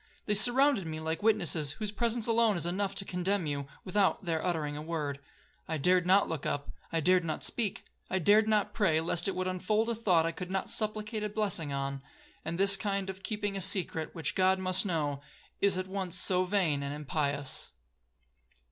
They surrounded me like witnesses, whose presence alone is enough to condemn you, without their uttering a word. I dared not look up,—I dared not speak,—I dared not pray, lest it would unfold a thought I could not supplicate a blessing on; and this kind of keeping a secret, which God must know, is at once so vain and impious.